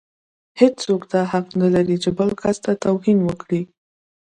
هيڅوک دا حق نه لري چې بل کس ته توهين وکړي.